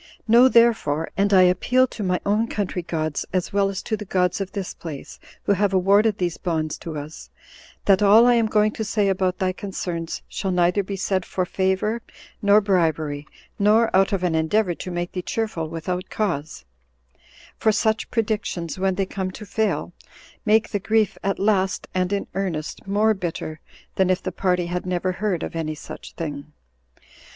Know therefore [and I appeal to my own country gods, as well as to the gods of this place, who have awarded these bonds to us] that all I am going to say about thy concerns shall neither be said for favor nor bribery, nor out of an endeavor to make thee cheerful without cause; for such predictions, when they come to fail, make the grief at last, and in earnest, more bitter than if the party had never heard of any such thing.